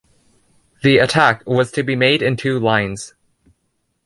The attack was to be made in two lines.